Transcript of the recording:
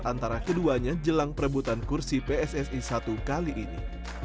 antara keduanya jelang perebutan kursi pssi satu kali ini